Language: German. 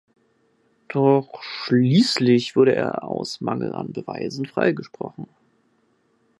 Doch schließlich wurde er aus Mangel an Beweisen freigesprochen.